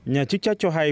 nhà chức trách cho hay